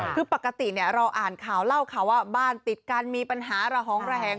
คือปกติเราอ่านข่าวเล่าข่าวว่าบ้านติดกันมีปัญหาระหองระแหง